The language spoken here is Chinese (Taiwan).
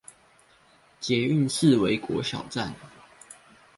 捷運四維國小站